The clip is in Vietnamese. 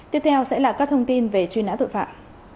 tiếp theo sẽ là các thông tin về truy nã tội phạm